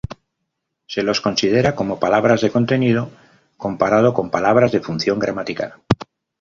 Se los considera como "palabras de contenido" comparado con "palabras de función gramatical".